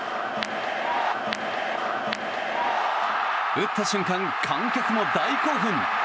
打った瞬間、観客も大興奮。